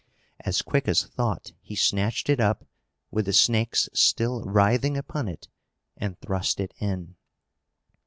As quick as thought, he snatched it up, with the snakes still writhing upon it, and thrust it in.